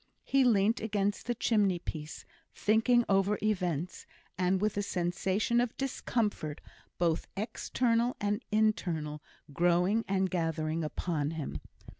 He leant against the chimney piece, thinking over events, and with a sensation of discomfort, both external and internal, growing and gathering upon him.